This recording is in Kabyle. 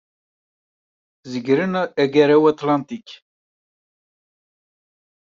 Zegren Agaraw Aṭlantik.